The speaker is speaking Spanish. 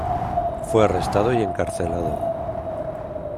Fue arrestado y encarcelado.